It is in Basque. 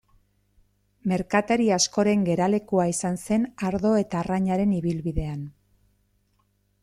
Merkatari askoren geralekua izan zen ardo eta arrainaren ibilbidean.